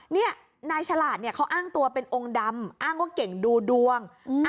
นี่นายฉลาดเนี่ยเขาอ้างตัวเป็นองค์ดำอ้างว่าเก่งดูดวง